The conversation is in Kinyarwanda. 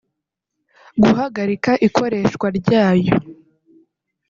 Guharika ikoreshwa ryayo